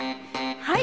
はい！